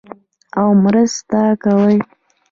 او مرسته کوي.